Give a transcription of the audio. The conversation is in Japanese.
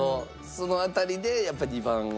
その辺りでやっぱり２番を？